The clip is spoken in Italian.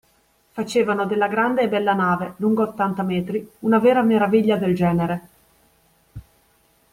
Facevano della grande e bella nave, lunga ottanta metri, una vera meraviglia del genere.